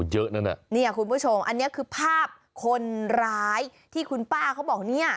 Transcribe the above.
เยอะนั้นอ่ะเนี่ยคุณผู้ชมอันนี้คือภาพคนร้ายที่คุณป้าเขาบอกเนี่ย